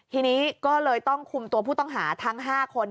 ทีนี้ก็เลยต้องคุมตัวผู้ต้องหาทั้ง๕คน